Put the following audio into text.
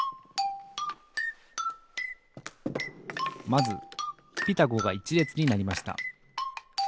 まず「ピタゴ」が１れつになりました